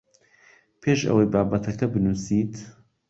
پێش ئەوەی بابەتەکەت بنووسیت